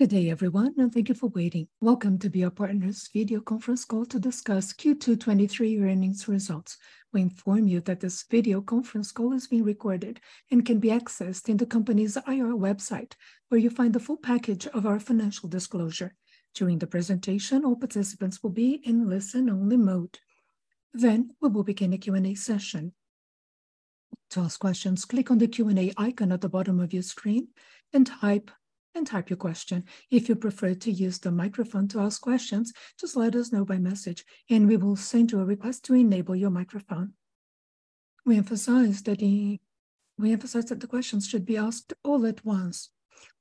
Good day, everyone, and thank you for waiting. Welcome to BR Partners' Video Conference Call to discuss Q2 '23 Earnings Results. We inform you that this video conference call is being recorded and can be accessed in the company's IR website, where you'll find the full package of our financial disclosure. During the presentation, all participants will be in listen-only mode. We will begin a Q&A session. To ask questions, click on the Q&A icon at the bottom of your screen, and type your question. If you prefer to use the microphone to ask questions, just let us know by message, and we will send you a request to enable your microphone. We emphasize that the questions should be asked all at once.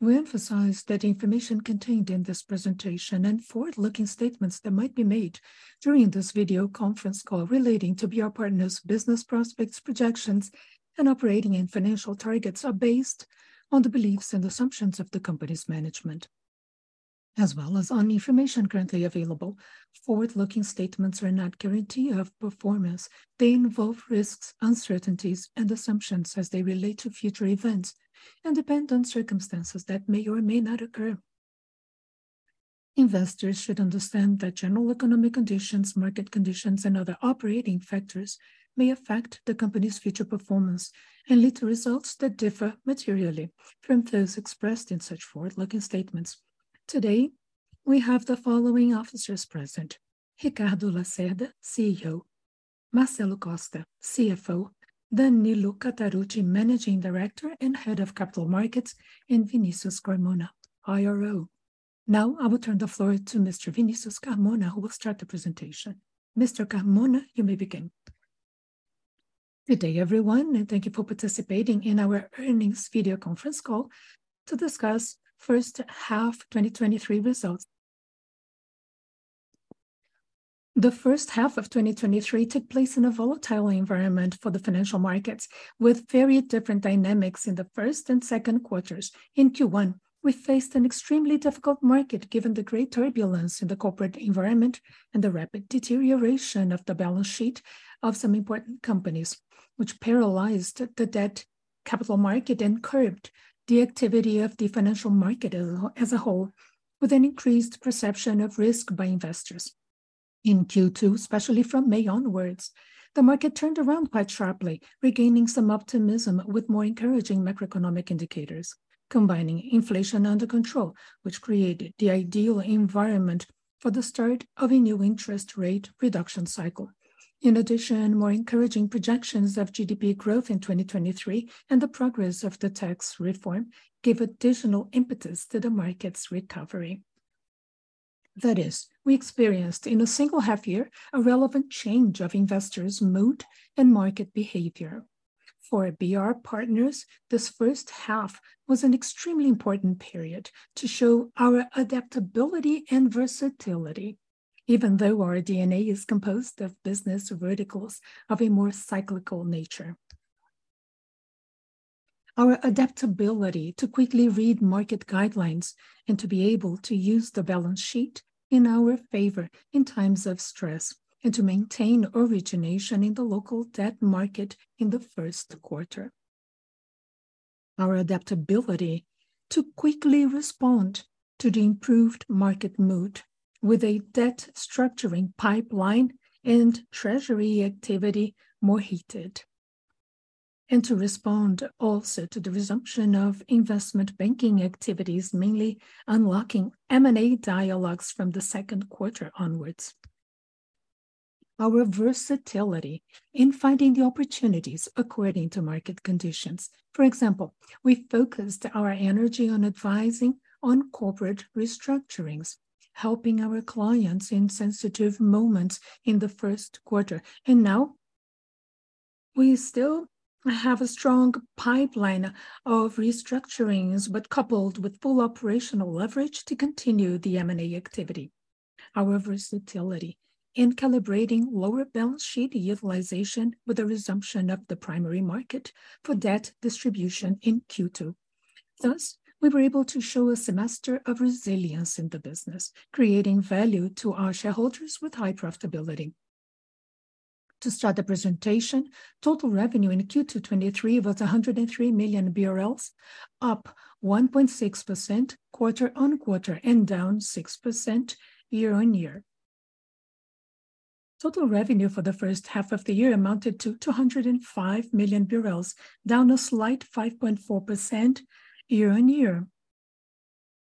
We emphasize that information contained in this presentation and forward-looking statements that might be made during this video conference call relating to BR Partners' business prospects, projections, and operating and financial targets, are based on the beliefs and assumptions of the company's management, as well as on information currently available. Forward-looking statements are not guarantee of performance. They involve risks, uncertainties, and assumptions as they relate to future events, and depend on circumstances that may or may not occur. Investors should understand that general economic conditions, market conditions, and other operating factors may affect the company's future performance and lead to results that differ materially from those expressed in such forward-looking statements. Today, we have the following officers present: Ricardo Lacerda, CEO; Marcelo Costa, CFO; Danilo Catarucci, Managing Director and Head of Capital Markets; and Vinicius Carmona, IRO. Now, I will turn the floor to Mr. Vinicius Carmona, who will start the presentation. Mr. Carmona, you may begin. Good day, everyone, thank you for participating in our earnings video conference call to discuss first half 2023 results. The first half of 2023 took place in a volatile environment for the financial markets, with very different dynamics in the first and second quarters. In Q1, we faced an extremely difficult market, given the great turbulence in the corporate environment and the rapid deterioration of the balance sheet of some important companies, which paralyzed the debt capital market and curbed the activity of the financial market as a whole, with an increased perception of risk by investors. In Q2, especially from May onwards, the market turned around quite sharply, regaining some optimism with more encouraging macroeconomic indicators. Combining inflation under control, which created the ideal environment for the start of a new interest rate reduction cycle. In addition, more encouraging projections of GDP growth in 2023 and the progress of the tax reform gave additional impetus to the market's recovery. That is, we experienced, in a single half year, a relevant change of investors' mood and market behavior. For BR Partners, this first half was an extremely important period to show our adaptability and versatility, even though our DNA is composed of business verticals of a more cyclical nature. Our adaptability to quickly read market guidelines and to be able to use the balance sheet in our favor in times of stress, and to maintain origination in the local debt market in the first quarter. Our adaptability to quickly respond to the improved market mood with a debt structuring pipeline and treasury activity more heated, to respond also to the resumption of investment banking activities, mainly unlocking M&A dialogues from the second quarter onwards. Our versatility in finding the opportunities according to market conditions. For example, we focused our energy on advising on corporate restructurings, helping our clients in sensitive moments in the first quarter. Now, we still have a strong pipeline of restructurings, but coupled with full operational leverage to continue the M&A activity. Our versatility in calibrating lower balance sheet utilization with the resumption of the primary market for debt distribution in Q2. We were able to show a semester of resilience in the business, creating value to our shareholders with high profitability. To start the presentation, total revenue in Q2 '23 was 103 million BRL, up 1.6% quarter-on-quarter, and down 6% year-on-year. Total revenue for the first half of the year amounted to 205 million BRL, down a slight 5.4% year-on-year,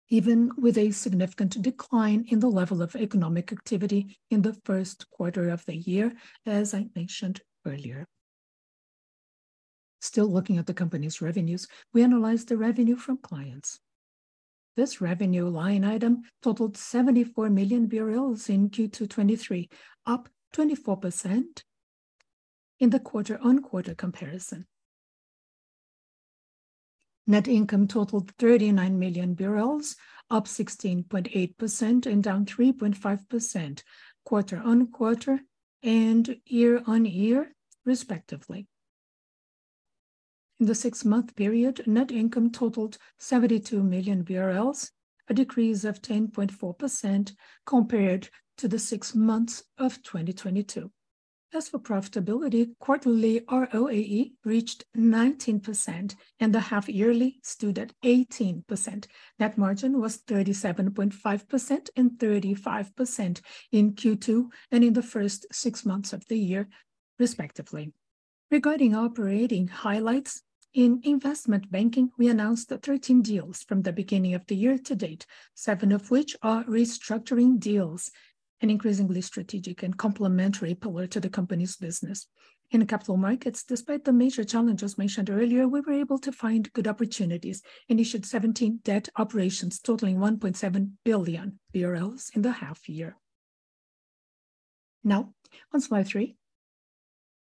even with a significant decline in the level of economic activity in the first quarter of the year, as I mentioned earlier. Still looking at the company's revenues, we analyze the revenue from clients. This revenue line item totaled 74 million in Q2 '23, up 24% in the quarter-on-quarter comparison. Net income totaled 39 million BRL, up 16.8% and down 3.5% quarter-on-quarter and year-on-year, respectively. In the six-month period, net income totaled 72 million BRL, a decrease of 10.4% compared to the six months of 2022.... As for profitability, quarterly ROAE reached 19%, and the half-yearly stood at 18%. Net margin was 37.5% and 35% in Q2 and in the first 6 months of the year, respectively. Regarding operating highlights, in investment banking, we announced that 13 deals from the beginning of the year to date, 7 of which are restructuring deals, an increasingly strategic and complementary pillar to the company's business. In the capital markets, despite the major challenges mentioned earlier, we were able to find good opportunities, and issued 17 debt operations totaling 1.7 billion BRL in the half year. Now, on slide three,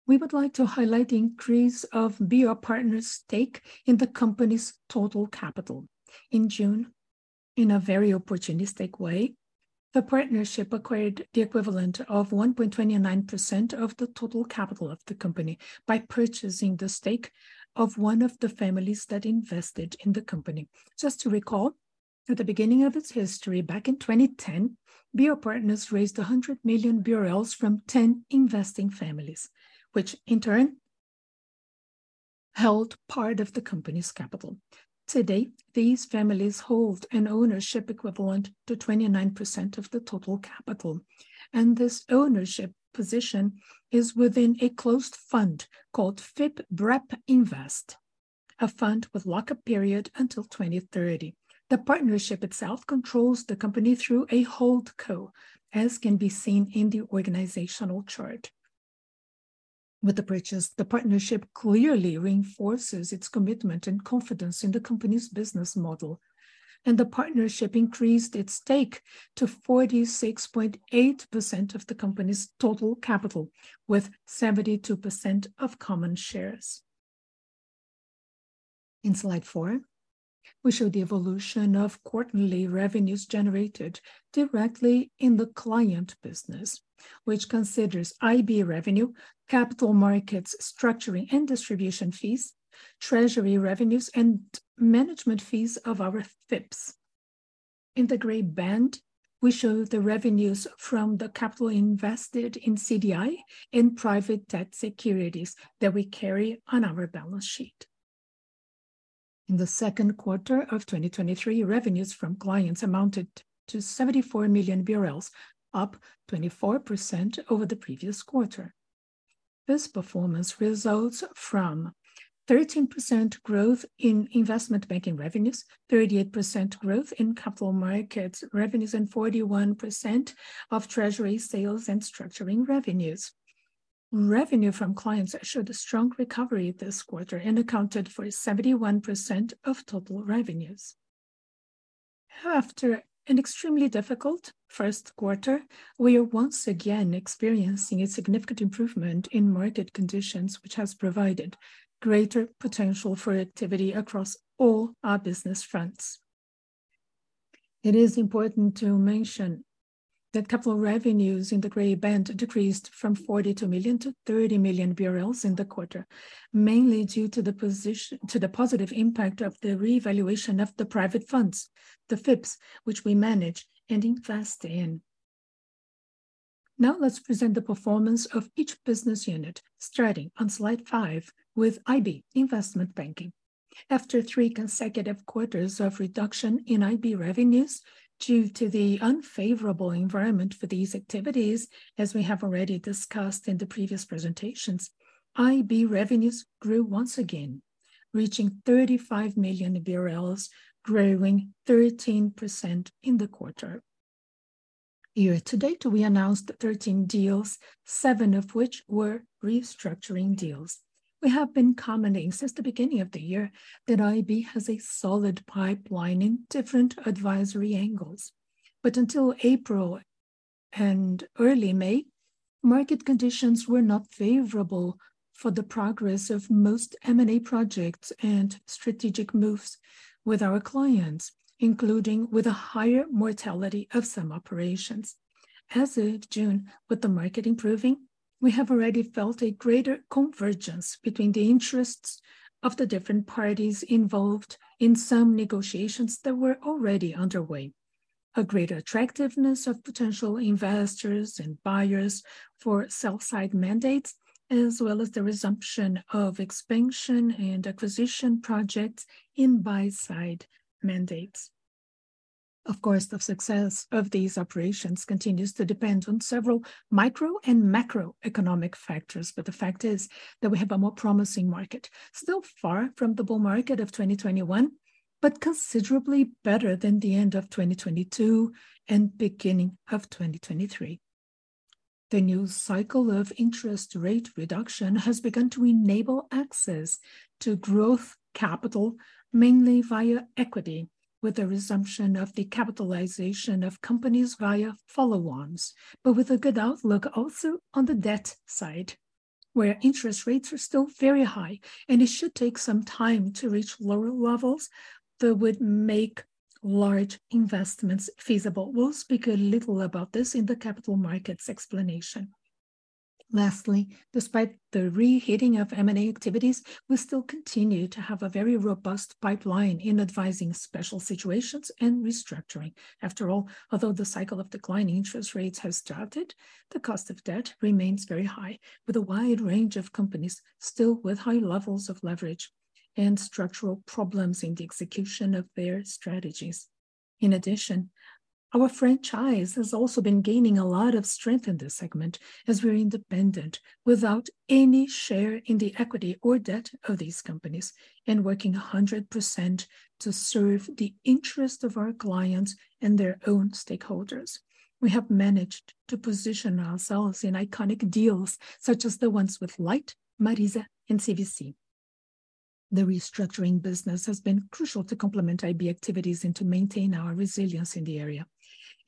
we would like to highlight the increase of BR Partners' stake in the company's total capital. In June, in a very opportunistic way, the partnership acquired the equivalent of 1.29% of the total capital of the company by purchasing the stake of one of the families that invested in the company. Just to recall, at the beginning of its history, back in 2010, BR Partners raised 100 million BRL from 10 investing families, which in turn, held part of the company's capital. Today, these families hold an ownership equivalent to 29% of the total capital, and this ownership position is within a closed fund called FIP Brep Invest, a fund with lock-up period until 2030. The partnership itself controls the company through a HoldCo, as can be seen in the organizational chart. With the purchase, the partnership clearly reinforces its commitment and confidence in the company's business model, and the partnership increased its stake to 46.8% of the company's total capital, with 72% of common shares. In slide four, we show the evolution of quarterly revenues generated directly in the client business, which considers IB revenue, capital markets structuring and distribution fees, treasury revenues, and management fees of our FIPS. In the gray band, we show the revenues from the capital invested in CDI and private debt securities that we carry on our balance sheet. In the 2nd quarter of 2023, revenues from clients amounted to 74 million BRL, up 24% over the previous quarter. This performance results from 13% growth in investment banking revenues, 38% growth in capital markets revenues, and 41% of treasury sales and structuring revenues. Revenue from clients showed a strong recovery this quarter and accounted for 71% of total revenues. After an extremely difficult first quarter, we are once again experiencing a significant improvement in market conditions, which has provided greater potential for activity across all our business fronts. It is important to mention that capital revenues in the gray band decreased from 42 million BRL to 30 million BRL in the quarter, mainly due to the positive impact of the revaluation of the private funds, the FIPS, which we manage and invest in. Let's present the performance of each business unit, starting on slide five with IB, investment banking. After three consecutive quarters of reduction in IB revenues due to the unfavorable environment for these activities, as we have already discussed in the previous presentations, IB revenues grew once again, reaching 35 million BRL, growing 13% in the quarter. year to date, we announced 13 deals, seven of which were restructuring deals. We have been commenting since the beginning of the year that IB has a solid pipeline in different advisory angles. Until April and early May, market conditions were not favorable for the progress of most M&A projects and strategic moves with our clients, including with a higher mortality of some operations. As of June, with the market improving, we have already felt a greater convergence between the interests of the different parties involved in some negotiations that were already underway, a greater attractiveness of potential investors and buyers for sell-side mandates, as well as the resumption of expansion and acquisition projects in buy-side mandates. Of course, the success of these operations continues to depend on several micro and macroeconomic factors, but the fact is that we have a more promising market, still far from the bull market of 2021, but considerably better than the end of 2022 and beginning of 2023. The new cycle of interest rate reduction has begun to enable access to growth capital, mainly via equity, with the resumption of the capitalization of companies via follow-ons, but with a good outlook also on the debt side, where interest rates are still very high, and it should take some time to reach lower levels that would make large investments feasible. We'll speak a little about this in the capital markets explanation. Lastly, despite the reheating of M&A activities, we still continue to have a very robust pipeline in advising special situations and restructuring. After all, although the cycle of declining interest rates has started, the cost of debt remains very high, with a wide range of companies still with high levels of leverage and structural problems in the execution of their strategies. In addition, our franchise has also been gaining a lot of strength in this segment, as we're independent, without any share in the equity or debt of these companies, and working 100% to serve the interest of our clients and their own stakeholders. We have managed to position ourselves in iconic deals, such as the ones with Light, Marisa, and CVC. The restructuring business has been crucial to complement IB activities and to maintain our resilience in the area.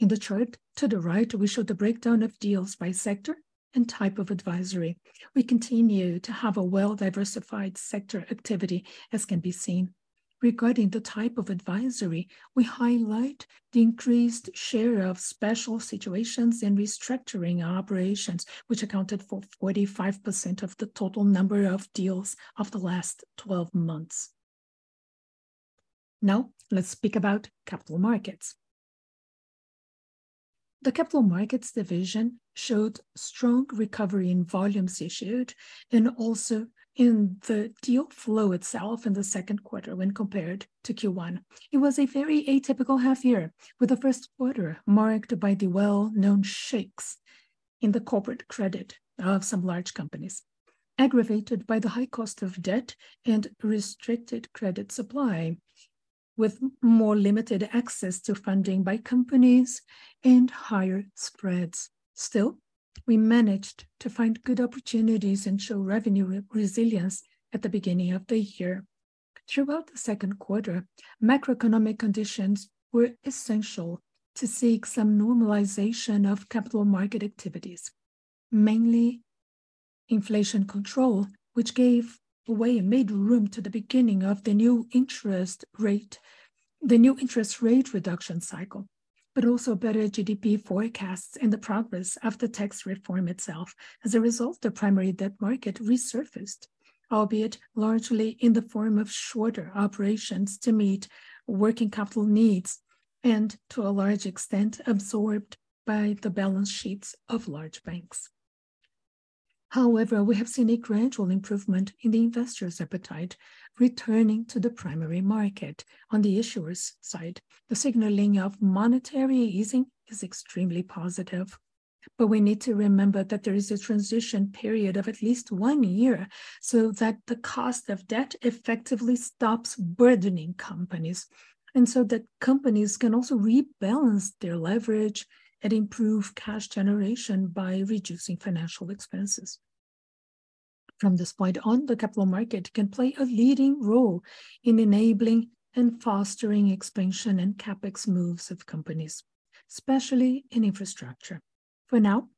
In the chart to the right, we show the breakdown of deals by sector and type of advisory. We continue to have a well-diversified sector activity, as can be seen. Regarding the type of advisory, we highlight the increased share of special situations and restructuring operations, which accounted for 45% of the total number of deals of the last 12 months. Now, let's speak about capital markets. The Capital Markets division showed strong recovery in volumes issued, and also in the deal flow itself in the second quarter when compared to Q1. It was a very atypical half year, with the first quarter marked by the well-known shakes in the corporate credit of some large companies, aggravated by the high cost of debt and restricted credit supply, with more limited access to funding by companies and higher spreads. Still, we managed to find good opportunities and show revenue resilience at the beginning of the year. Throughout the second quarter, macroeconomic conditions were essential to seek some normalization of Capital Markets activities, mainly inflation control, which gave way and made room to the beginning of the new interest rate, the new interest rate reduction cycle, but also better GDP forecasts and the progress of the tax reform itself. As a result, the primary debt market resurfaced, albeit largely in the form of shorter operations to meet working capital needs, and to a large extent, absorbed by the balance sheets of large banks. However, we have seen a gradual improvement in the investors' appetite, returning to the primary market. On the issuers' side, the signaling of monetary easing is extremely positive, but we need to remember that there is a transition period of at least one year, so that the cost of debt effectively stops burdening companies, and so that companies can also rebalance their leverage and improve cash generation by reducing financial expenses. From this point on, the capital market can play a leading role in enabling and fostering expansion and CapEx moves of companies, especially in infrastructure. For now,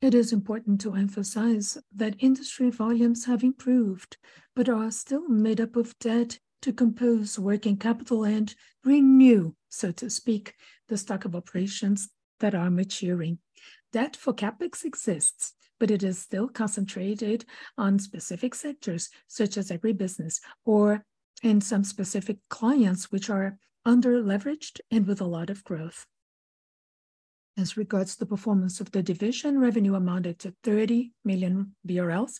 it is important to emphasize that industry volumes have improved, but are still made up of debt to compose working capital and renew, so to speak, the stock of operations that are maturing. Debt for CapEx exists, but it is still concentrated on specific sectors, such as Agribusiness or in some specific clients, which are under-leveraged and with a lot of growth. As regards to the performance of the division, revenue amounted to 30 million BRL,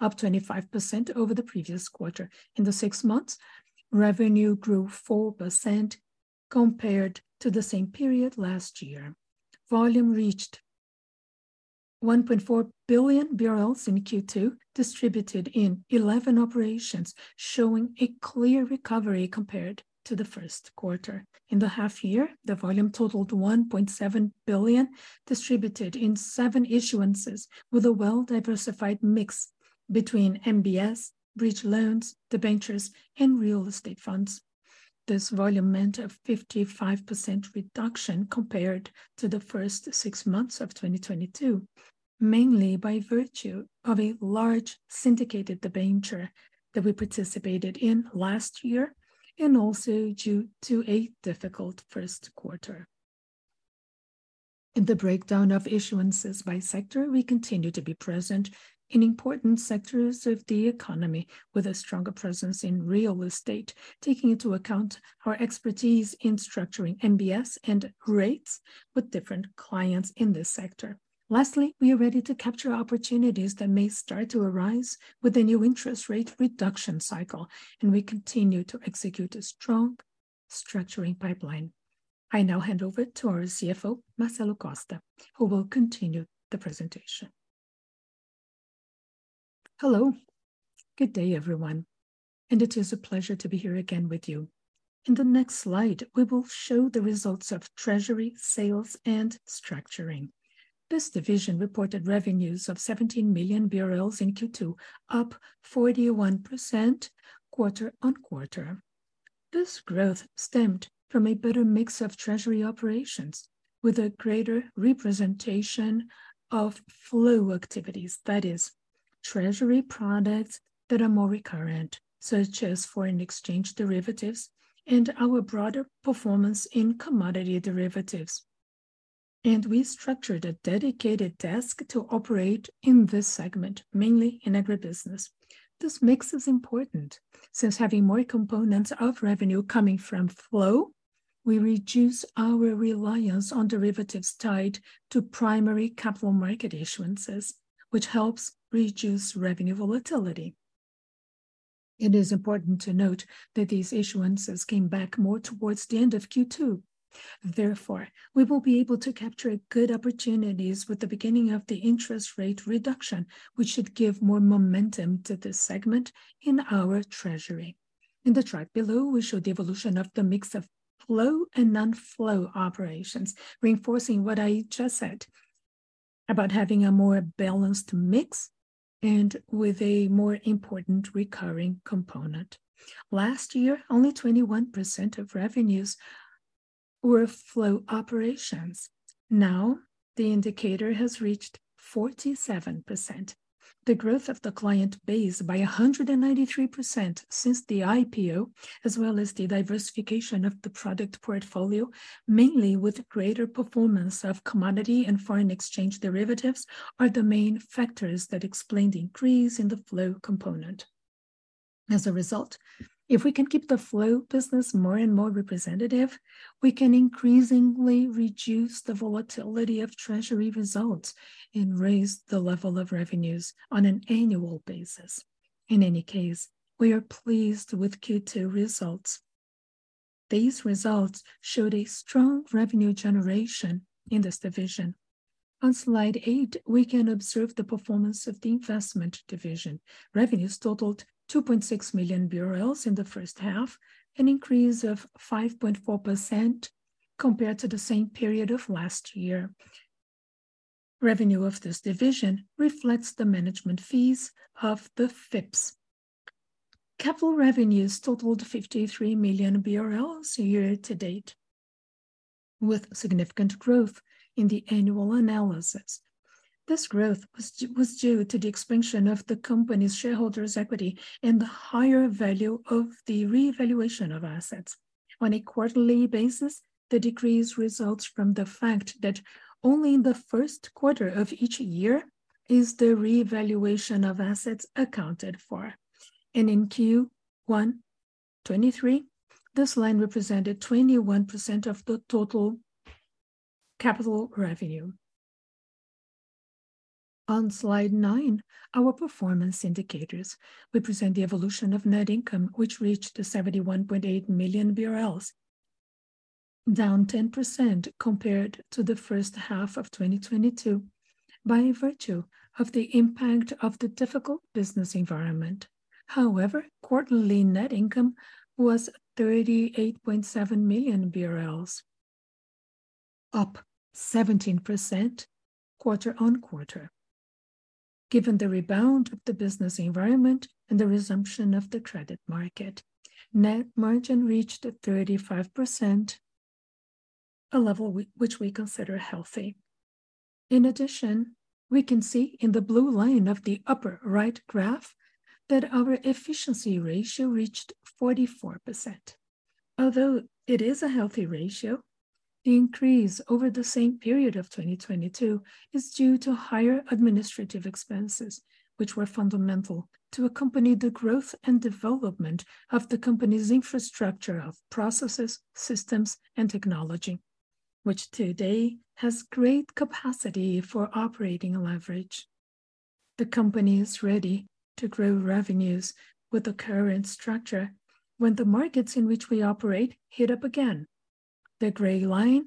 up 25% over the previous quarter. In the six months, revenue grew 4% compared to the same period last year. Volume reached 1.4 billion in Q2, distributed in 11 operations, showing a clear recovery compared to the first quarter. In the half year, the volume totaled 1.7 billion, distributed in seven issuances, with a well-diversified mix between MBS, bridge loans, debentures, and real estate funds. This volume meant a 55% reduction compared to the first six months of 2022, mainly by virtue of a large syndicated debenture that we participated in last year, and also due to a difficult first quarter. In the breakdown of issuances by sector, we continue to be present in important sectors of the economy, with a stronger presence in real estate, taking into account our expertise in structuring MBS and rates with different clients in this sector. Lastly, we are ready to capture opportunities that may start to arise with the new interest rate reduction cycle, and we continue to execute a strong structuring pipeline. I now hand over to our CFO, Marcelo Costa, who will continue the presentation. Hello, good day, everyone, and it is a pleasure to be here again with you. In the next slide, we will show the results of Treasury, Sales and Structuring. This division reported revenues of 17 million BRL in Q2, up 41% quarter-on-quarter. This growth stemmed from a better mix of treasury operations, with a greater representation of flow activities. That is, treasury products that are more recurrent, such as foreign exchange derivatives, and our broader performance in commodity derivatives. We structured a dedicated task to operate in this segment, mainly in agribusiness. This mix is important, since having more components of revenue coming from flow, we reduce our reliance on derivatives tied to primary capital market issuances, which helps reduce revenue volatility. It is important to note that these issuances came back more towards the end of Q2. Therefore, we will be able to capture good opportunities with the beginning of the interest rate reduction, which should give more momentum to this segment in our treasury. In the chart below, we show the evolution of the mix of flow and non-flow operations, reinforcing what I just said about having a more balanced mix and with a more important recurring component. Last year, only 21% of revenues were flow operations. Now, the indicator has reached 47%. The growth of the client base by 193% since the IPO, as well as the diversification of the product portfolio, mainly with greater performance of commodity and foreign exchange derivatives, are the main factors that explain the increase in the flow component. As a result, if we can keep the flow business more and more representative, we can increasingly reduce the volatility of treasury results and raise the level of revenues on an annual basis. In any case, we are pleased with Q2 results. These results showed a strong revenue generation in this division. On slide eight, we can observe the performance of the investment division. Revenues totaled 2.6 million BRL in the first half, an increase of 5.4% compared to the same period of last year. Revenue of this division reflects the management fees of the FIPS. Capital revenues totaled 53 million BRL year to date, with significant growth in the annual analysis. This growth was due to the expansion of the company's shareholders' equity and the higher value of the revaluation of assets. On a quarterly basis, the decrease results from the fact that only in the first quarter of each year is the revaluation of assets accounted for. In Q1 '23, this line represented 21% of the total capital revenue. On slide nine, our performance indicators represent the evolution of net income, which reached 71.8 million, down 10% compared to the first half of 2022, by virtue of the impact of the difficult business environment. Quarterly net income was 38.7 million BRL, up 17% quarter-on-quarter, given the rebound of the business environment and the resumption of the credit market. Net margin reached 35%, a level we, which we consider healthy. We can see in the blue line of the upper-right graph that our efficiency ratio reached 44%. It is a healthy ratio, the increase over the same period of 2022 is due to higher administrative expenses, which were fundamental to accompany the growth and development of the company's infrastructure of processes, systems, and technology, which today has great capacity for operating leverage. The company is ready to grow revenues with the current structure when the markets in which we operate heat up again. The gray line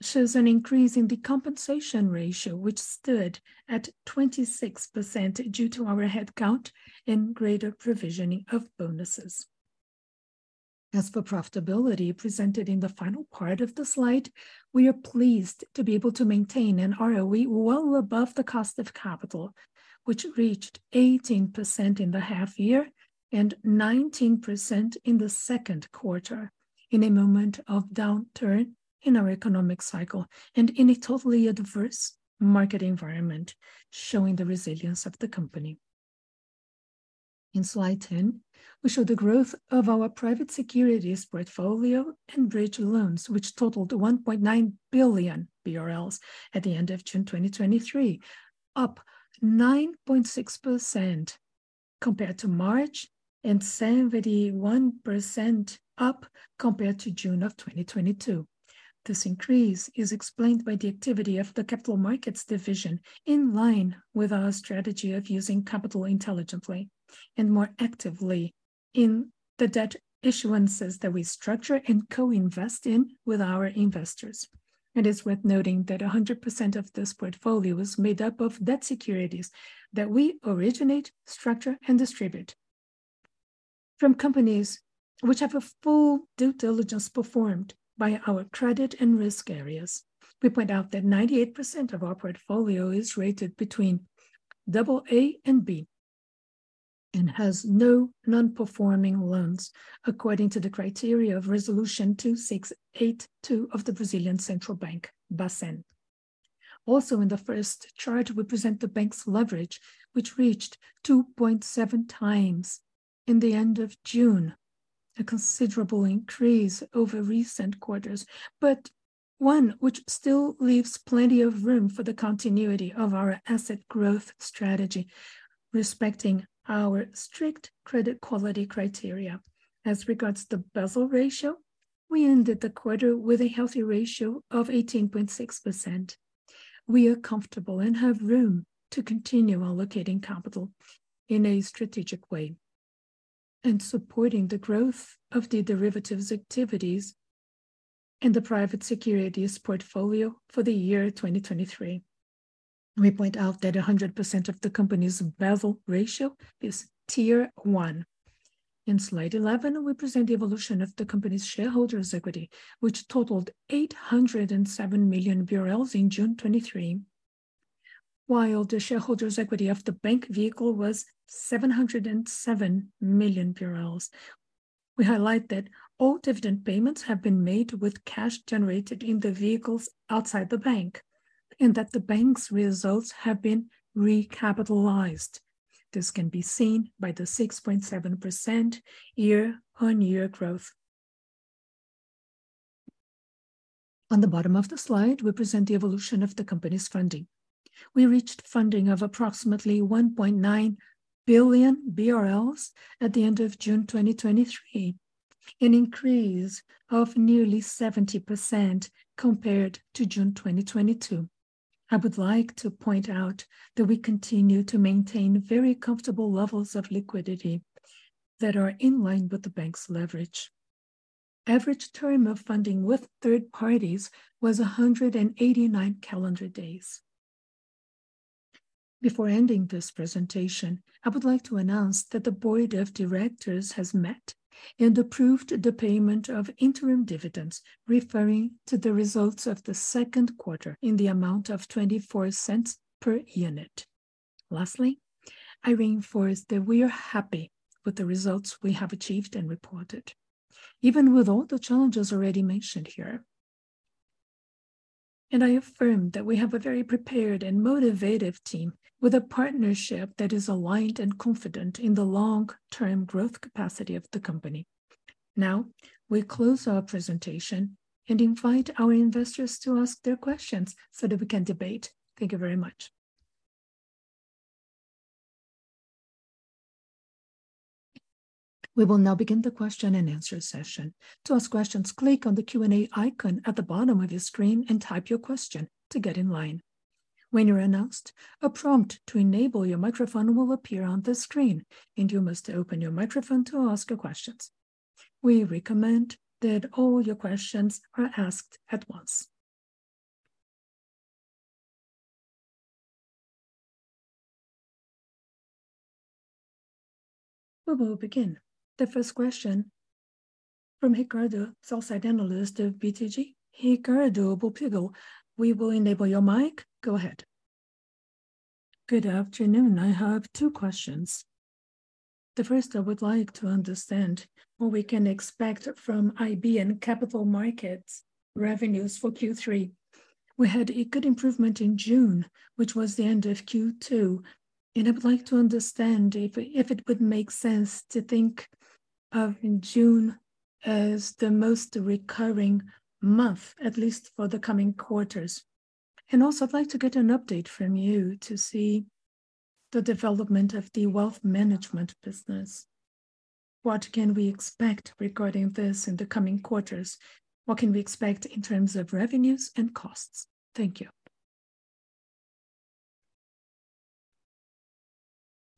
shows an increase in the compensation ratio, which stood at 26%, due to our headcount and greater provisioning of bonuses. As for profitability, presented in the final part of the slide, we are pleased to be able to maintain an ROE well above the cost of capital, which reached 18% in the half year and 19% in the second quarter, in a moment of downturn in our economic cycle and in a totally adverse market environment, showing the resilience of the company. In slide 10, we show the growth of our private securities portfolio and bridge loans, which totaled 1.9 billion BRL at the end of June 2023, up 9.6% compared to March, and 71% up compared to June 2022. This increase is explained by the activity of the capital markets division, in line with our strategy of using capital intelligently and more actively in the debt issuances that we structure and co-invest in with our investors. It is worth noting that 100% of this portfolio is made up of debt securities that we originate, structure, and distribute from companies which have a full due diligence performed by our credit and risk areas. We point out that 98% of our portfolio is rated between AA and B. Has no non-performing loans according to the criteria of Resolution 2682 of the Brazilian Central Bank, BACEN. In the first chart, we present the bank's leverage, which reached 2.7 times in the end of June, a considerable increase over recent quarters, but one which still leaves plenty of room for the continuity of our asset growth strategy, respecting our strict credit quality criteria. As regards to the Basel ratio, we ended the quarter with a healthy ratio of 18.6%. We are comfortable and have room to continue allocating capital in a strategic way, and supporting the growth of the derivatives activities in the private securities portfolio for the year 2023. We point out that 100% of the company's Basel ratio is Tier one. In slide 11, we present the evolution of the company's shareholders' equity, which totaled 807 million BRL in June 2023, while the shareholders' equity of the bank vehicle was BRL 707 million. We highlight that all dividend payments have been made with cash generated in the vehicles outside the bank, and that the bank's results have been recapitalized. This can be seen by the 6.7% year-on-year growth. On the bottom of the slide, we present the evolution of the company's funding. We reached funding of approximately 1.9 billion BRL at the end of June 2023, an increase of nearly 70% compared to June 2022. I would like to point out that we continue to maintain very comfortable levels of liquidity that are in line with the bank's leverage. Average term of funding with third parties was 189 calendar days. Before ending this presentation, I would like to announce that the board of directors has met and approved the payment of interim dividends, referring to the results of the second quarter in the amount of 0.24 per unit. I reinforce that we are happy with the results we have achieved and reported, even with all the challenges already mentioned here. I affirm that we have a very prepared and motivated team, with a partnership that is aligned and confident in the long-term growth capacity of the company. We close our presentation and invite our investors to ask their questions so that we can debate. Thank you very much. We will now begin the question-and-answer session. To ask questions, click on the Q&A icon at the bottom of your screen and type your question to get in line. When you're announced, a prompt to enable your microphone will appear on the screen, and you must open your microphone to ask your questions. We recommend that all your questions are asked at once. We will begin. The first question from Ricardo, sell-side analyst of BTG. Ricardo Buchpiguel, we will enable your mic. Go ahead. Good afternoon. I have two questions. The first, I would like to understand what we can expect from IB and capital markets revenues for Q3. We had a good improvement in June, which was the end of Q2. I would like to understand if it would make sense to think of in June as the most recurring month, at least for the coming quarters. Also, I'd like to get an update from you to see the development of the wealth management business. What can we expect regarding this in the coming quarters? What can we expect in terms of revenues and costs? Thank you.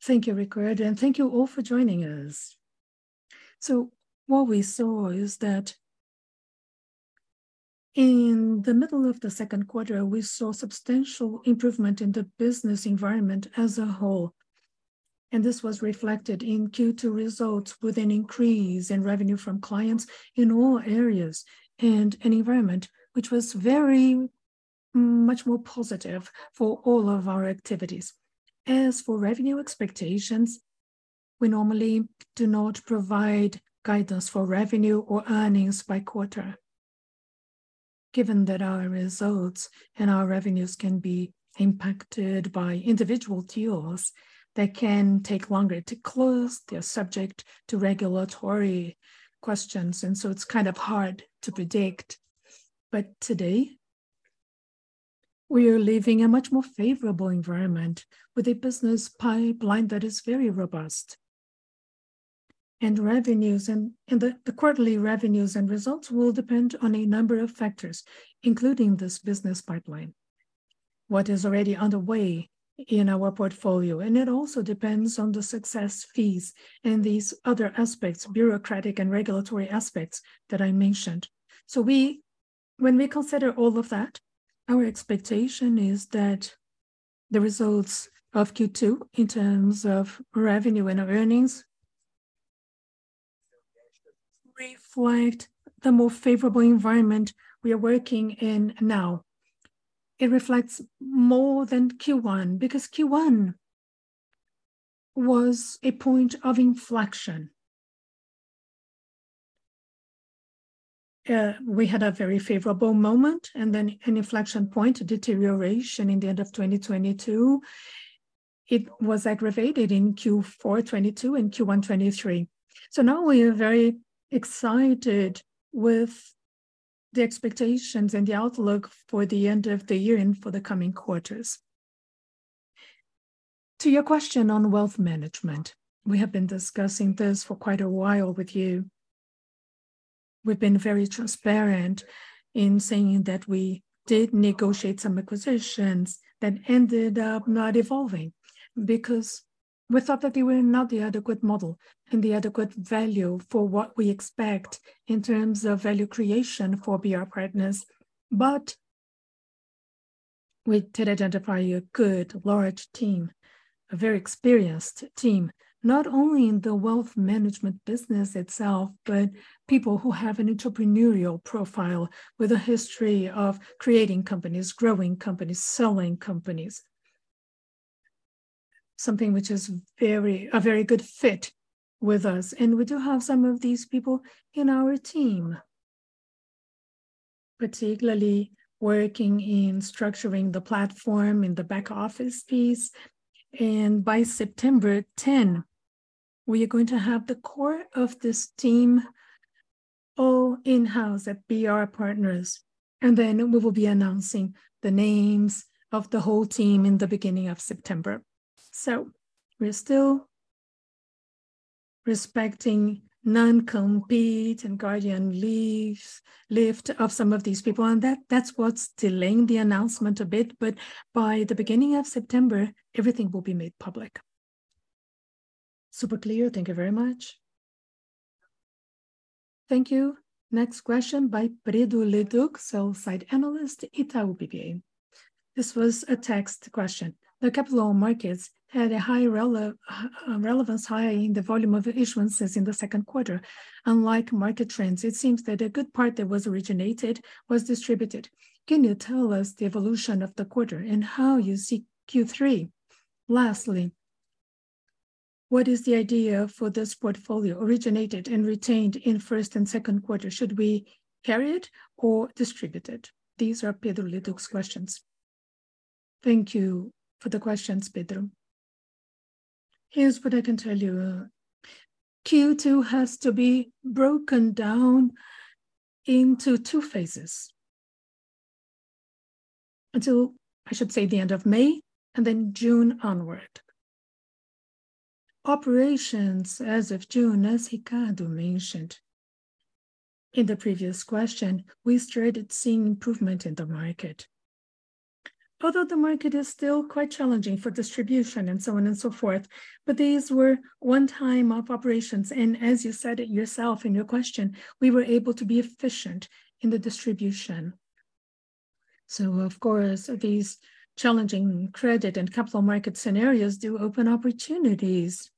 Thank you, Ricardo, and thank you all for joining us. What we saw is that in the middle of the second quarter, we saw substantial improvement in the business environment as a whole, and this was reflected in Q2 results, with an increase in revenue from clients in all areas, and an environment which was very much more positive for all of our activities. As for revenue expectations, we normally do not provide guidance for revenue or earnings by quarter, given that our results and our revenues can be impacted by individual deals that can take longer to close. They are subject to regulatory questions, it's kind of hard to predict. Today, we are living in a much more favorable environment, with a business pipeline that is very robust. and the quarterly revenues and results will depend on a number of factors, including this business pipeline, what is already underway in our portfolio, and it also depends on the success fees and these other aspects, bureaucratic and regulatory aspects, that I mentioned. When we consider all of that, our expectation is that the results of Q2, in terms of revenue and earnings, reflect the more favorable environment we are working in now. It reflects more than Q1, because Q1 was a point of inflection. We had a very favorable moment, and then an inflection point, a deterioration in the end of 2022. It was aggravated in Q4 2022 and Q1 2023. Now we are very excited with the expectations and the outlook for the end of the year and for the coming quarters. To your question on wealth management, we have been discussing this for quite a while with you. We've been very transparent in saying that we did negotiate some acquisitions that ended up not evolving, because we thought that they were not the adequate model and the adequate value for what we expect in terms of value creation for BR Partners. We did identify a good, large team, a very experienced team, not only in the wealth management business itself, but people who have an entrepreneurial profile with a history of creating companies, growing companies, selling companies. Something which is a very good fit with us, and we do have some of these people in our team, particularly working in structuring the platform in the back office piece. By September 10, we are going to have the core of this team all in-house at BR Partners, then we will be announcing the names of the whole team in the beginning of September. We're still respecting non-compete and garden leave, lift of some of these people, and that's what's delaying the announcement a bit, but by the beginning of September, everything will be made public. Super clear. Thank you very much. Thank you. Next question by Pedro Leduc, sell-side analyst, Itaú BBA. This was a text question: The capital markets had a high relevance, high in the volume of issuances in the second quarter. Unlike market trends, it seems that a good part that was originated was distributed. Can you tell us the evolution of the quarter and how you see Q3? Lastly, what is the idea for this portfolio originated and retained in first and second quarter? Should we carry it or distribute it? These are Pedro Leduc's questions. Thank you for the questions, Pedro. Here's what I can tell you. Q2 has to be broken down into two phases. Until, I should say, the end of May, and then June onward. Operations as of June, as Ricardo mentioned in the previous question, we started seeing improvement in the market. Although the market is still quite challenging for distribution, and so on and so forth, but these were one time of operations, and as you said it yourself in your question, we were able to be efficient in the distribution. Of course, these challenging credit and capital market scenarios do open opportunities.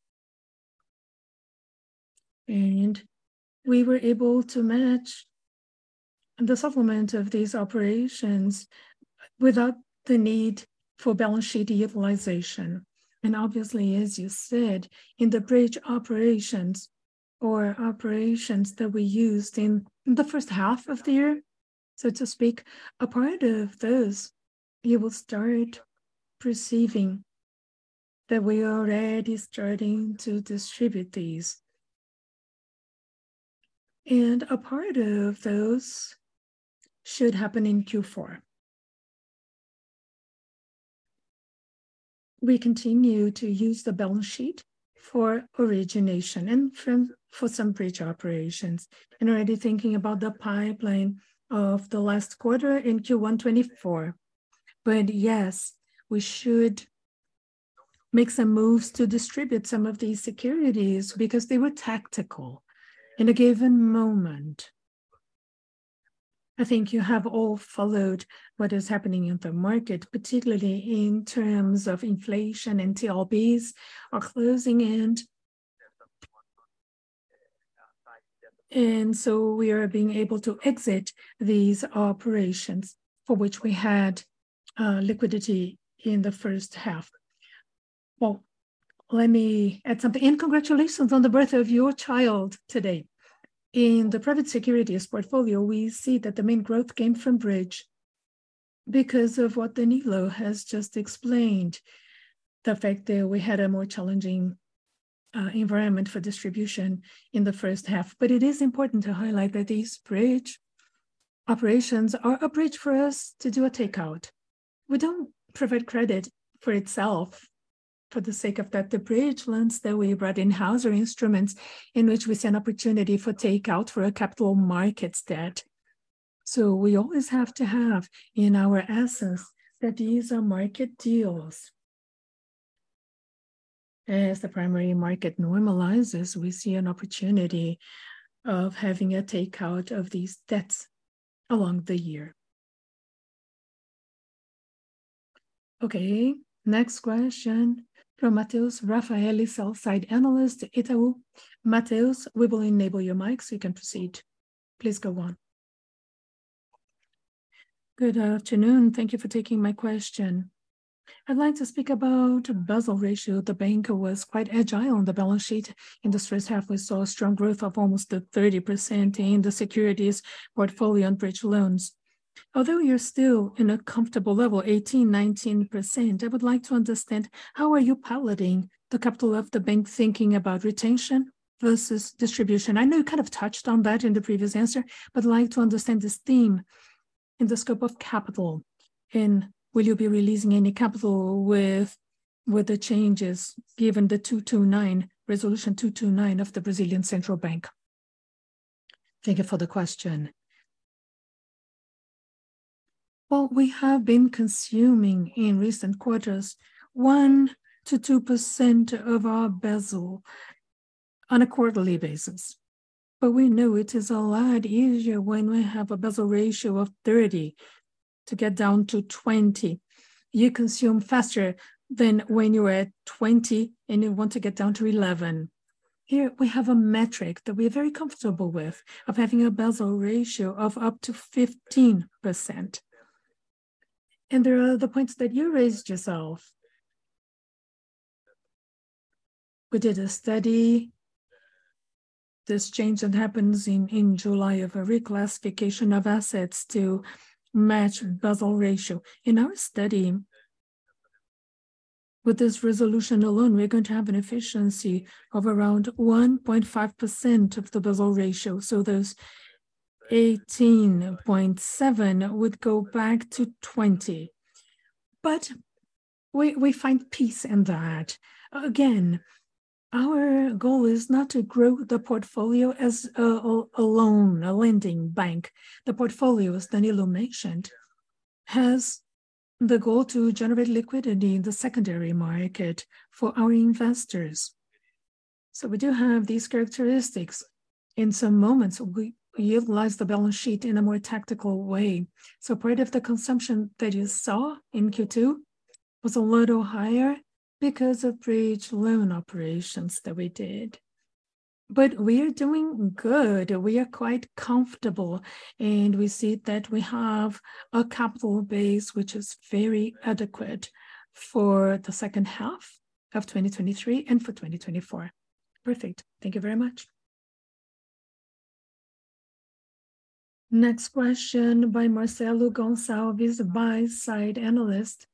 We were able to match the supplement of these operations without the need for balance sheet utilization. Obviously, as you said, in the bridge operations or operations that we used in the first half of the year, so to speak, a part of this, you will start perceiving that we are already starting to distribute these. A part of those should happen in Q4. We continue to use the balance sheet for origination and for, for some bridge operations, and already thinking about the pipeline of the last quarter in Q1 2024. Yes, we should make some moves to distribute some of these securities because they were tactical in a given moment. I think you have all followed what is happening in the market, particularly in terms of inflation, and NTN-Bs are closing in. We are being able to exit these operations for which we had liquidity in the first half. Well, let me add something, and congratulations on the birth of your child today. In the private securities portfolio, we see that the main growth came from bridge because of what Danilo has just explained, the fact that we had a more challenging environment for distribution in the first half. It is important to highlight that these bridge operations are a bridge for us to do a takeout. We don't provide credit for itself for the sake of that. The bridge loans that we brought in-house are instruments in which we see an opportunity for takeout for a capital markets debt. We always have to have in our assets that these are market deals. As the primary market normalizes, we see an opportunity of having a takeout of these debts along the year.... Okay, next question from Matheus Raffaelli, sell-side analyst, Itaú. Mateus, we will enable your mic so you can proceed. Please go on. Good afternoon. Thank you for taking my question. I'd like to speak about the Basel ratio. The bank was quite agile on the balance sheet. In the first half, we saw a strong growth of almost 30% in the securities portfolio and bridge loans. Although you're still in a comfortable level, 18%-19%, I would like to understand, how are you piloting the capital of the bank, thinking about retention versus distribution? I know you kind of touched on that in the previous answer, but I'd like to understand this theme in the scope of capital, and will you be releasing any capital with the changes, given Resolution 229 of the Brazilian Central Bank? Thank you for the question. Well, we have been consuming, in recent quarters, 1%-2% of our Basel on a quarterly basis. We know it is a lot easier when we have a Basel ratio of 30 to get down to 20. You consume faster than when you are at 20, and you want to get down to 11. Here, we have a metric that we are very comfortable with, of having a Basel ratio of up to 15%, and there are the points that you raised yourself. We did a study. This change that happens in July of a reclassification of assets to match Basel ratio. In our study, with this resolution alone, we're going to have an efficiency of around 1.5% of the Basel ratio, so those 18.7 would go back to 20. We, we find peace in that. Our goal is not to grow the portfolio as a loan, a lending bank. The portfolio, as Danilo mentioned, has the goal to generate liquidity in the secondary market for our investors. We do have these characteristics. In some moments, we utilize the balance sheet in a more tactical way. Part of the consumption that you saw in Q2 was a little higher because of bridge loan operations that we did. We are doing good, and we are quite comfortable, and we see that we have a capital base, which is very adequate for the second half of 2023 and for 2024. Perfect. Thank you very much. Next question by Marcelo Goncalves, buy-side analyst.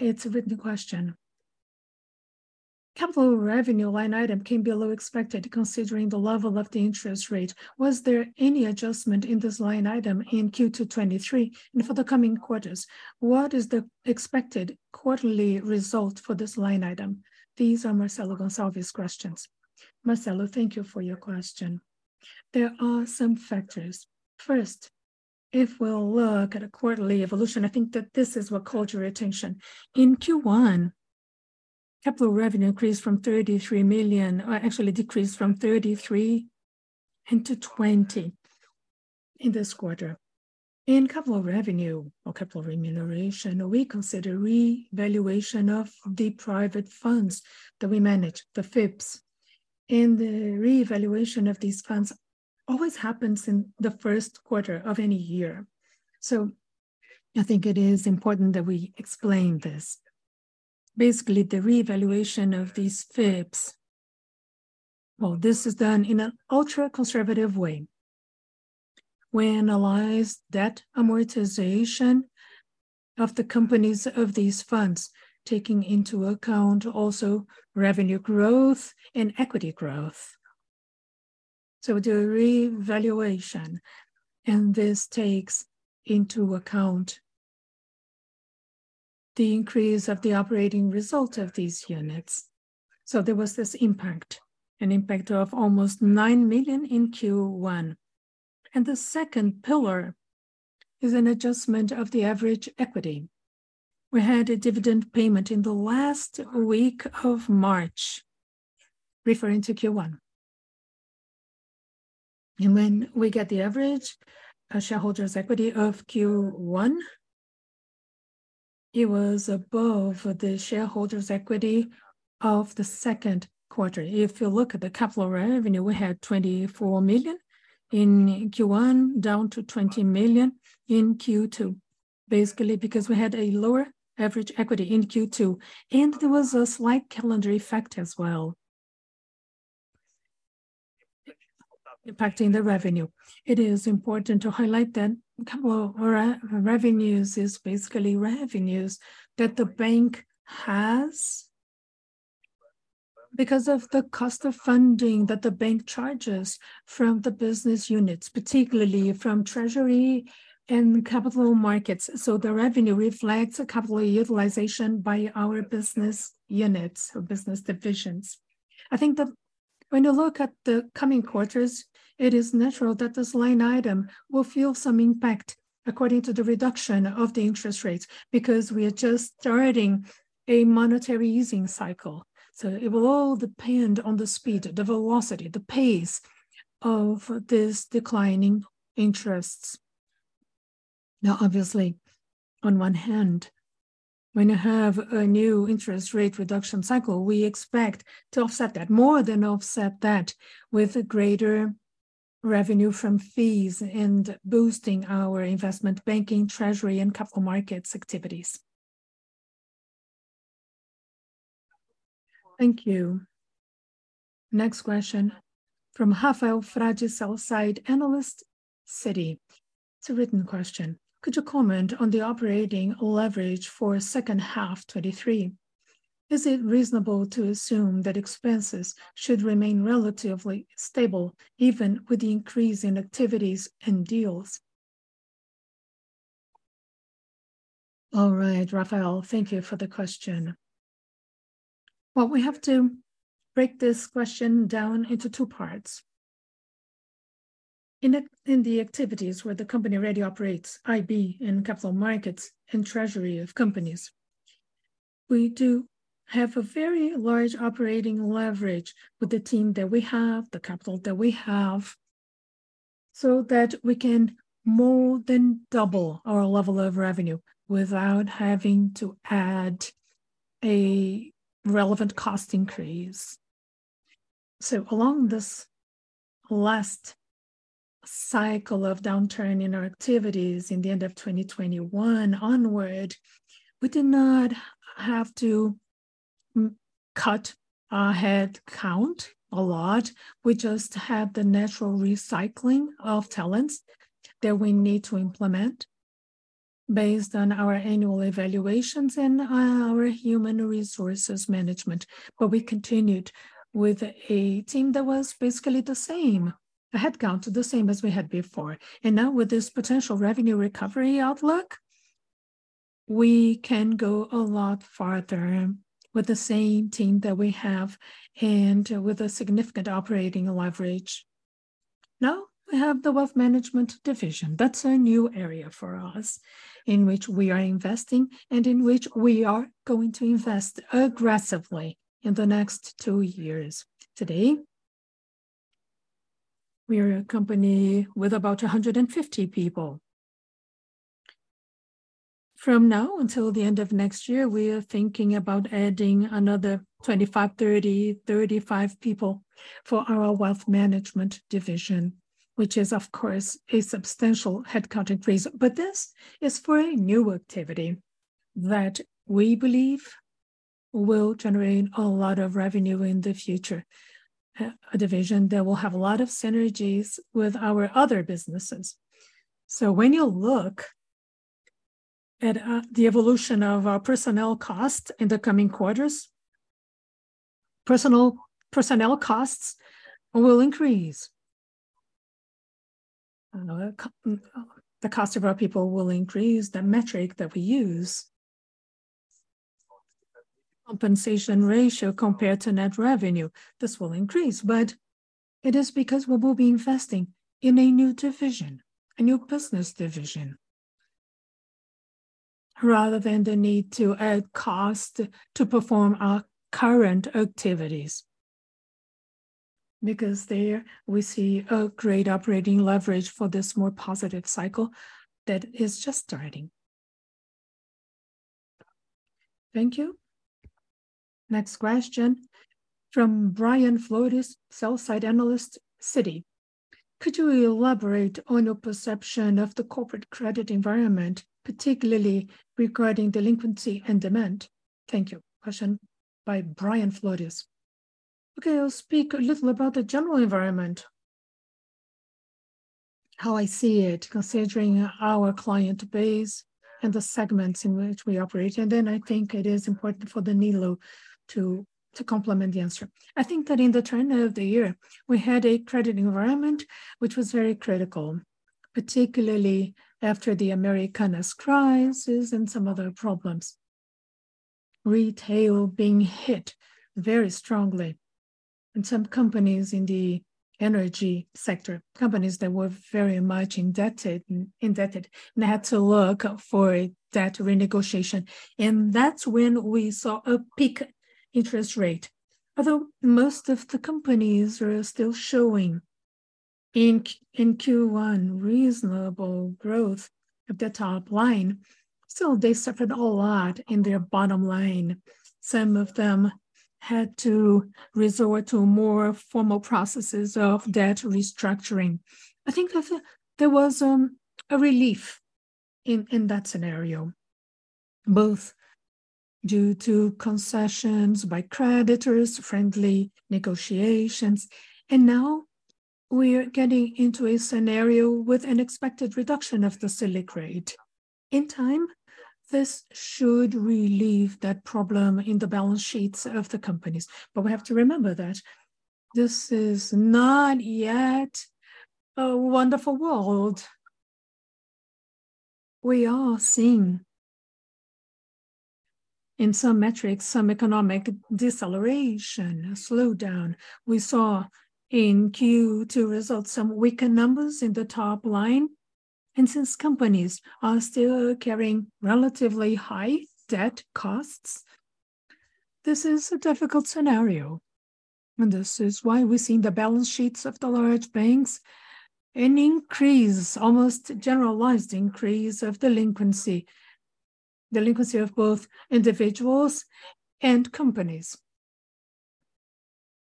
It's a written question: "Capital revenue line item came below expected, considering the level of the interest rate. Was there any adjustment in this line item in Q2 '23? For the coming quarters, what is the expected quarterly result for this line item?" These are Marcelo Goncalves' questions. Marcelo, thank you for your question. There are some factors. First, if we'll look at a quarterly evolution, I think that this is what caught your attention. In Q1, capital revenue increased from 33 million... actually decreased from 33 into 20 in this quarter. In capital revenue or capital remuneration, we consider revaluation of the private funds that we manage, the FIPs. The revaluation of these funds always happens in the first quarter of any year, so I think it is important that we explain this. Basically, the revaluation of the FIPs, well, this is done in an ultra-conservative way. We analyze debt amortization of the companies of these funds, taking into account also revenue growth and equity growth. We do a revaluation, and this takes into account the increase of the operating result of these units. There was this impact, an impact of almost 9 million in Q1. The second pillar is an adjustment of the average equity. We had a dividend payment in the last week of March, referring to Q1. When we get the average shareholders' equity of Q1, it was above the shareholders' equity of the second quarter. If you look at the capital revenue, we had 24 million in Q1, down to 20 million in Q2, basically because we had a lower average equity in Q2, and there was a slight calendar effect as well impacting the revenue. It is important to highlight that capital revenues is basically revenues that the bank has because of the cost of funding that the bank charges from the business units, particularly from Treasury and capital markets. The revenue reflects a capital utilization by our business units or business divisions. I think that when you look at the coming quarters, it is natural that this line item will feel some impact according to the reduction of the interest rates, because we are just starting a monetary easing cycle. It will all depend on the speed, the velocity, the pace of this declining interest rates. Obviously, on one hand, when you have a new interest rate reduction cycle, we expect to offset that, more than offset that, with a greater revenue from fees and boosting our investment banking, Treasury, and capital markets activities. Thank you. Next question from Rafael Frade, Sell-Side Analyst, Citi. It's a written question: Could you comment on the operating leverage for second half 2023? Is it reasonable to assume that expenses should remain relatively stable, even with the increase in activities and deals? All right, Rafael, thank you for the question. Well, we have to break this question down into two parts. In the activities where the company already operates, IB, and capital markets, and treasury of companies, we do have a very large operating leverage with the team that we have, the capital that we have, so that we can more than double our level of revenue without having to add a relevant cost increase. So along this last cycle of downturn in our activities in the end of 2021 onward, we did not have to cut our head count a lot. We just had the natural recycling of talents that we need to implement based on our annual evaluations and our human resources management. We continued with a team that was basically the same, a headcount the same as we had before. With this potential revenue recovery outlook, we can go a lot farther with the same team that we have and with a significant operating leverage. We have the wealth management division. That's a new area for us, in which we are investing, and in which we are going to invest aggressively in the next two years. Today, we are a company with about 150 people. From now until the end of next year, we are thinking about adding another 25, 30, 35 people for our wealth management division, which is, of course, a substantial headcount increase. This is for a new activity that we believe will generate a lot of revenue in the future, a division that will have a lot of synergies with our other businesses. When you look at the evolution of our personnel costs in the coming quarters, personnel costs will increase. The cost of our people will increase. The metric that we use, compensation ratio compared to net revenue, this will increase, but it is because we will be investing in a new division, a new business division, rather than the need to add cost to perform our current activities. Because there, we see a great operating leverage for this more positive cycle that is just starting. Thank you. Next question from Brian Flores, Sell-Side Analyst, Citi. Could you elaborate on your perception of the corporate credit environment, particularly regarding delinquency and demand? Thank you. Question by Brian Flores. Okay, I'll speak a little about the general environment, how I see it, considering our client base and the segments in which we operate, then I think it is important for Danilo to complement the answer. I think that in the turn of the year, we had a credit environment, which was very critical, particularly after the Americanas crisis and some other problems. Retail being hit very strongly, and some companies in the energy sector, companies that were very much indebted, and had to look for a debt renegotiation, and that's when we saw a peak interest rate. Although most of the companies are still showing in Q1 reasonable growth at the top line, still, they suffered a lot in their bottom line. Some of them had to resort to more formal processes of debt restructuring. I think that there was, a relief in, in that scenario, both due to concessions by creditors, friendly negotiations. Now we are getting into a scenario with an expected reduction of the Selic rate. In time, this should relieve that problem in the balance sheets of the companies. We have to remember that this is not yet a wonderful world. We are seeing, in some metrics, some economic deceleration, a slowdown. We saw in Q2 results, some weaker numbers in the top line. Since companies are still carrying relatively high debt costs-... This is a difficult scenario. This is why we see in the balance sheets of the large banks an increase, almost generalized increase of delinquency. Delinquency of both individuals and companies.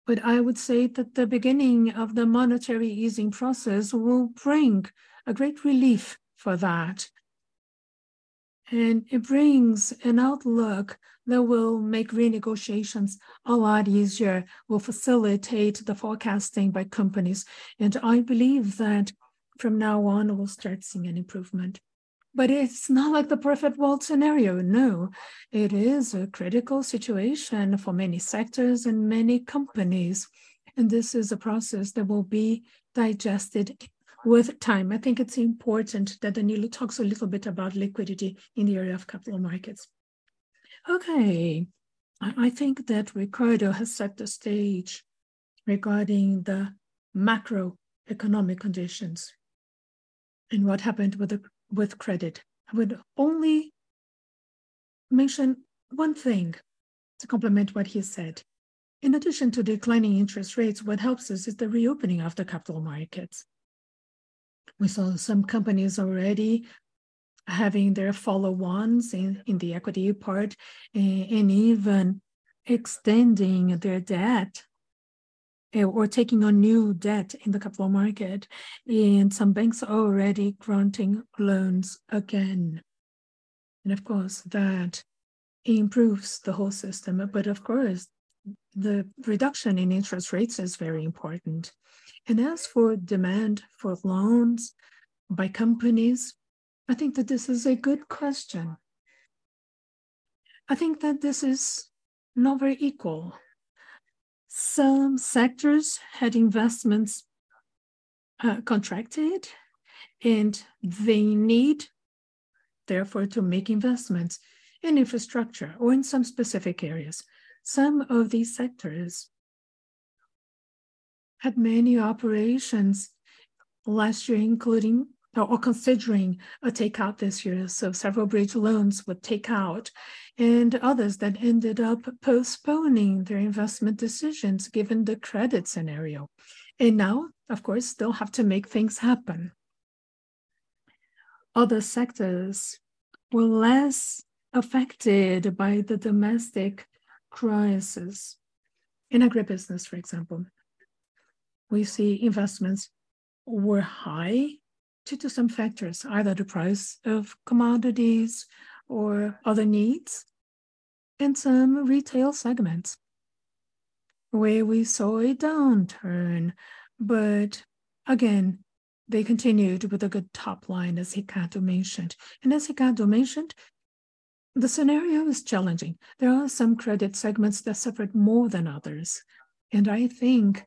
I would say that the beginning of the monetary easing process will bring a great relief for that, and it brings an outlook that will make renegotiations a lot easier, will facilitate the forecasting by companies. I believe that from now on, we'll start seeing an improvement. It's not like the perfect world scenario, no. It is a critical situation for many sectors and many companies, and this is a process that will be digested with time. I think it's important that Danilo talks a little bit about liquidity in the area of capital markets. Okay, I think that Ricardo has set the stage regarding the macroeconomic conditions and what happened with credit. I would only mention one thing to complement what he said. In addition to declining interest rates, what helps us is the reopening of the capital markets. We saw some companies already having their follow-ons in, in the equity part, and even extending their debt, or taking on new debt in the capital market, and some banks are already granting loans again. Of course, that improves the whole system, but of course, the reduction in interest rates is very important. As for demand for loans by companies, I think that this is a good question. I think that this is not very equal. Some sectors had investments contracted, and they need, therefore, to make investments in infrastructure or in some specific areas. Some of these sectors had many operations last year, including or, or considering a takeout this year, so several bridge loans would take out, and others that ended up postponing their investment decisions, given the credit scenario. Now, of course, they'll have to make things happen. Other sectors were less affected by the domestic crisis. In agribusiness, for example, we see investments were high due to some factors, either the price of commodities or other needs. In some retail segments, where we saw a downturn, but again, they continued with a good top line, as Ricardo mentioned. As Ricardo mentioned, the scenario is challenging. There are some credit segments that suffered more than others, and I think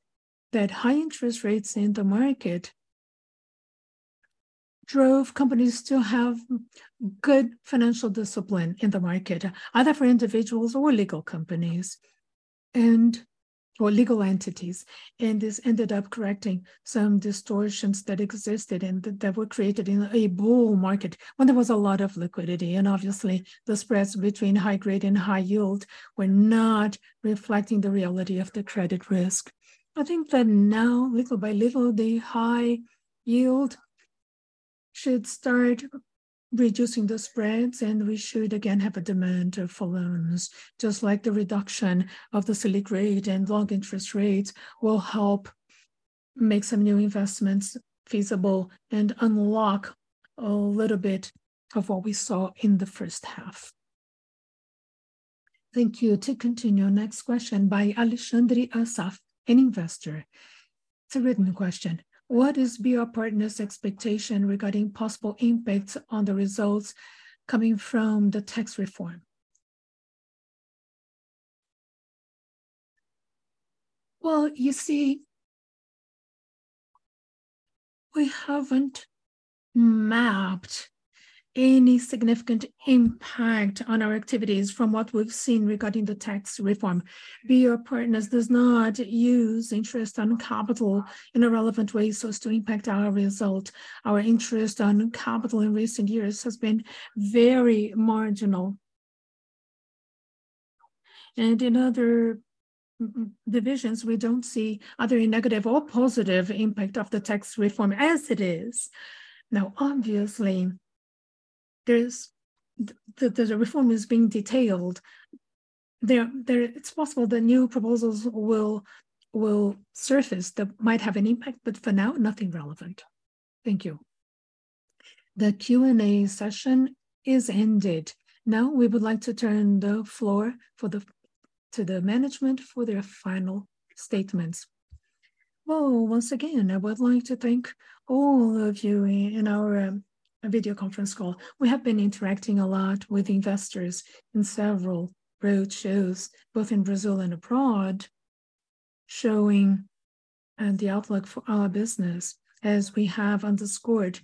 that high interest rates in the market drove companies to have good financial discipline in the market, either for individuals or legal companies, or legal entities. This ended up correcting some distortions that existed and that were created in a bull market, when there was a lot of liquidity, and obviously, the spreads between high grade and high yield were not reflecting the reality of the credit risk. I think that now, little by little, the high yield should start reducing the spreads, and we should again have a demand for loans, just like the reduction of the Selic rate and long interest rates will help make some new investments feasible and unlock a little bit of what we saw in the first half. Thank you. To continue, next question by Alexandre Assaf, an investor. It's a written question: What is BR Partners' expectation regarding possible impact on the results coming from the tax reform? Well, you see, we haven't mapped any significant impact on our activities from what we've seen regarding the tax reform. BR Partners does not use interest on capital in a relevant way so as to impact our result. Our interest on capital in recent years has been very marginal. In other divisions, we don't see either a negative or positive impact of the Tax Reform as it is. Now, obviously, the Reform is being detailed. It's possible that new proposals will surface that might have an impact, but for now, nothing relevant. Thank you. The Q&A session is ended. Now, we would like to turn the floor to the management for their final statements. Well, once again, I would like to thank all of you in our video conference call. We have been interacting a lot with investors in several roadshows, both in Brazil and abroad, showing the outlook for our business. As we have underscored,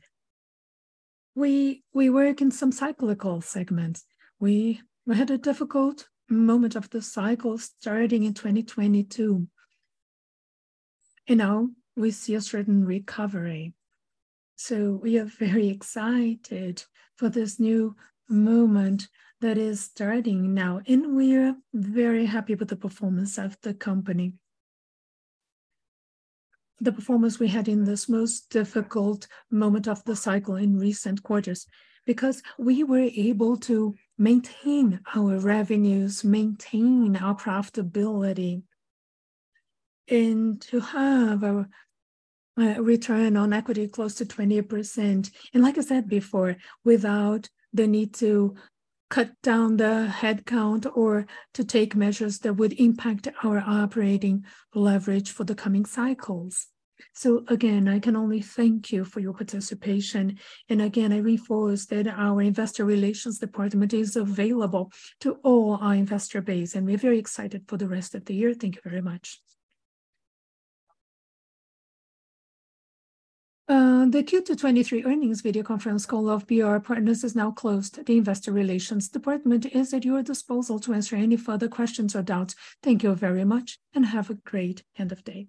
we work in some cyclical segments. We had a difficult moment of the cycle starting in 2022, and now we see a certain recovery. We are very excited for this new moment that is starting now, and we are very happy with the performance of the company. The performance we had in this most difficult moment of the cycle in recent quarters. We were able to maintain our revenues, maintain our profitability, and to have a, a return on equity close to 20%. Like I said before, without the need to cut down the headcount or to take measures that would impact our operating leverage for the coming cycles. Again, I can only thank you for your participation. Again, I reinforce that our investor relations department is available to all our investor base, and we're very excited for the rest of the year. Thank you very much. The Q2 '23 earnings video conference call of BR Partners is now closed. The Investor Relations Department is at your disposal to answer any further questions or doubts. Thank you very much, and have a great end of day.